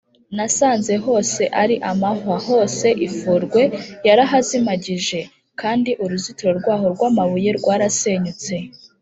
nasanze hose ari amahwa, hose ifurwe yarahazimagije, kandi uruzitiro rwaho rw’amabuye rwarasenyutse